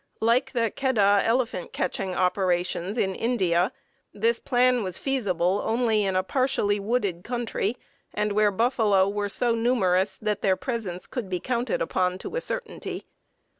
Like the keddah elephant catching operations in India, this plan was feasible only in a partially wooded country, and where buffalo were so numerous that their presence could be counted upon to a certainty.